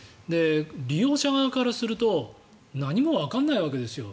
利用者側からすると何もわからないわけですよ。